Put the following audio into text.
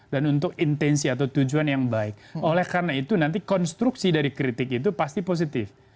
dan untuk intensi atau tujuan yang baik oleh karena itu nanti konstruksi dari kritik itu pasti positif